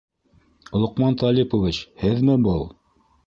Лоҡман Талипович! һеҙме был?